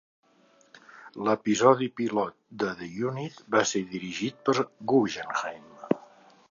L'episodi pilot de "The Unit" va ser dirigit per Guggenheim